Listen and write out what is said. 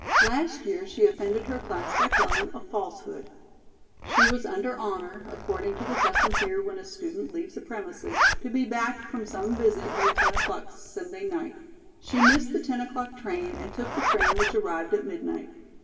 Last year she offended her class by telling a falsehood. She was under honor, according to the custom here when a student leaves the premises, to be back from some visit by ten o'clock Sunday night. She missed the ten o'clock train and took the train which arrived at midnight.